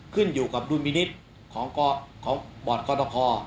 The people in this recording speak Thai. ขึ้นอยู่กับรุ่นมินิตรของบอร์ดกรณคร